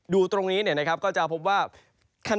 ดูตรงนี้เนี่ยนะครับก็จะพบว่าการ